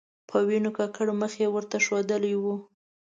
په وینو ککړ مخ یې ورته ښودلی و.